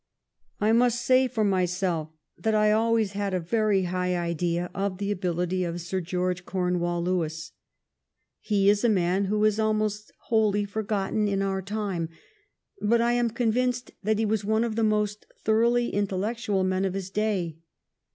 I must say for myself that I always had a very high idea of the ability of Sir George Cornewall Lewis. He is a man who is almost wholly for gotten in our time; but I am convinced that he was one of the most thoroughly intellectual men of his day.